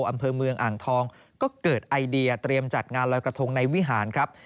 อำเภอเมืองอ่างทองก็เกิดไอเดียเตรียมจัดงานลอยกระทงในวิหารครับ